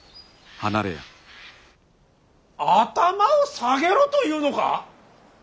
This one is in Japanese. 頭を下げろというのか。